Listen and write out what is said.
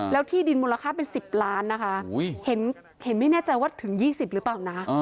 แล้วที่ดินมูลค่าเป็น๑๐ล้านนะคะเห็นไม่แน่ใจว่าถึง๒๐หรือเปล่านะ